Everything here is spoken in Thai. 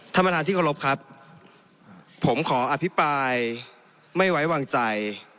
ท่านประธานที่เคารพครับผมขออภิปรายไม่ไว้วางใจ